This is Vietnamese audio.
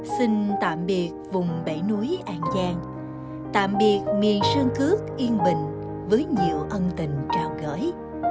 xin tạm biệt vùng bể núi an giang tạm biệt miền sơn cước yên bình với nhiều ân tình trào gỡi